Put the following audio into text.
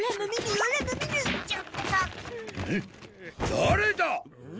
誰だ！？